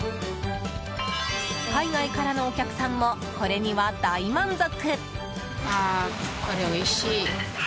海外からのお客さんもこれには大満足！